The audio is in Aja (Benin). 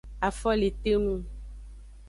Afo le te nung.